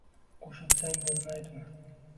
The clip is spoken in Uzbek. Qo`shilsang bo`lmaydimi